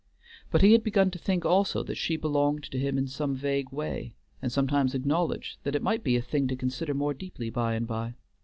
But he had begun to think also that she belonged to him in some vague way, and sometimes acknowledged that it might be a thing to consider more deeply by and by.